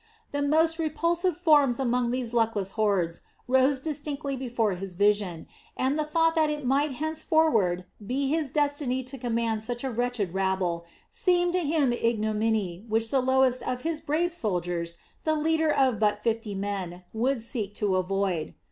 The most repulsive forms among these luckless hordes rose distinctly before his vision, and the thought that it might henceforward be his destiny to command such a wretched rabble seemed to him ignominy which the lowest of his brave officers, the leader of but fifty men, would seek to avoid.